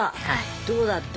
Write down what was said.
どうだった？